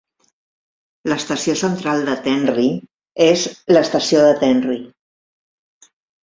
L'estació central de Tenri és l'estació de Tenri.